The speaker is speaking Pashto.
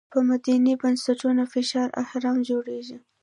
پر مدني بنسټونو فشاري اهرم جوړېږي.